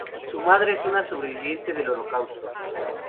Su madre es una sobreviviente del Holocausto.